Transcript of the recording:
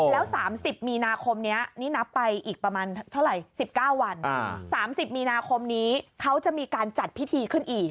แล้ว๓๐มีนาคมนี้นี่นับไปอีกประมาณเท่าไหร่๑๙วัน๓๐มีนาคมนี้เขาจะมีการจัดพิธีขึ้นอีก